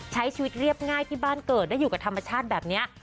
ใช้ชีวิตเรียบง่ายที่บ้านเกิดได้อยู่กับธรรมชาติแบบนี้